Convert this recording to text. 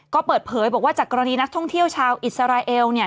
ก็เปิดเผยบอกว่าจากกรณีนักท่องเที่ยวชาวอิสราเอลเนี่ย